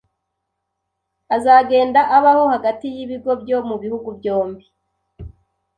azagenda abaho hagati y’ibigo byo mu bihugu byombi